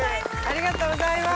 ありがとうございます。